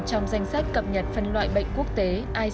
trong danh sách cập nhật phân loại bệnh quốc tế ic